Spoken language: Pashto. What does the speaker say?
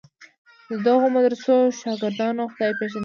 د دغو مدرسو شاګردانو خدای پېژندلی و.